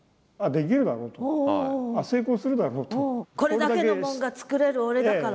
これだけのもんが作れる俺だから。